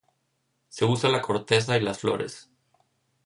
Se usa la corteza y las flores.